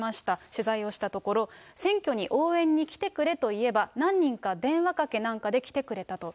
取材をしたところ、選挙に応援に来てくれと言えば、何人か電話かけなんかで来てくれたと。